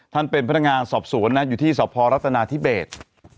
ท่านเป็นพนักงานศอบศูนย์อยู่ที่ศพลัตนาธิเบจ